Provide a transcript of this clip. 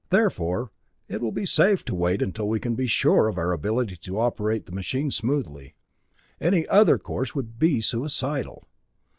Therefore it will be safe to wait until we can be sure of our ability to operate the machine smoothly. Any other course would be suicidal.